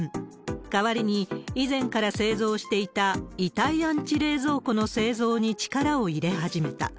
代わりに、以前から製造していた遺体安置冷蔵庫の製造に力を入れ始めた。